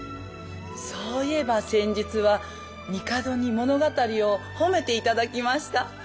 そういえば先日は帝に物語を褒めて頂きました。